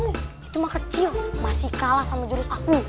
ini cuma kecil masih kalah sama jurus aku